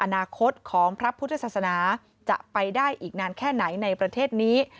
อนาคตของพระพุทธศาสนาจะไปได้อีกนานแค่ไหนในประเทศนี้